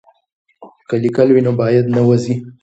که لیکل وي نو یاد نه وځي.